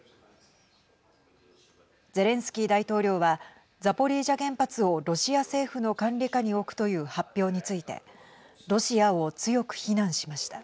ゼレンスキー大統領はザポリージャ原発をロシア政府の管理下に置くという発表についてロシアを強く非難しました。